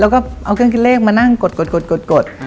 แล้วก็เอาเครื่องคิดเลขมานั่งกด